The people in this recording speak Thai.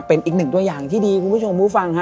เป็นอีกหนึ่งตัวอย่างที่ดีคุณผู้ชมผู้ฟังฮะ